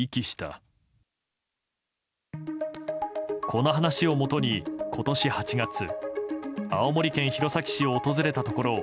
この話をもとに今年８月青森県弘前市を訪れたところ